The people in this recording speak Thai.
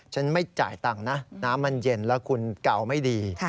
ฉันไม่จ่ายตังค์นะน้ำมันเย็นแล้วคุณเก่าไม่ดี